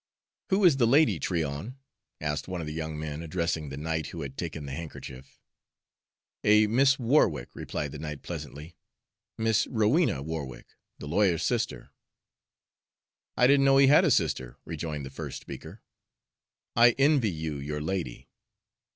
"Who is the lady, Tryon?" asked one of the young men, addressing the knight who had taken the handkerchief. "A Miss Warwick," replied the knight pleasantly, "Miss Rowena Warwick, the lawyer's sister." "I didn't know he had a sister," rejoined the first speaker. "I envy you your lady.